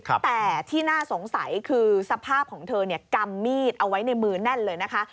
แต่ที่น่าสงสัยคือสภาพของเธอเนี่ยกำมีดเอาไว้ในมือแน่นเลยนะคะ